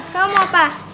kau mau apa